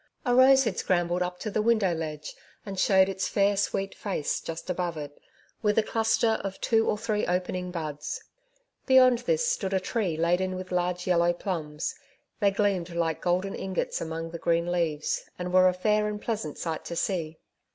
A rose had scrambled up to the window ledge, and showed its fair, sweet fece just above it, with a cluster of two or three opening buds. Beyond this stood a tree laden with large yellow plums ; they gleamed like golden ingots among the green leaves, and were a feir and pleasant sight to see.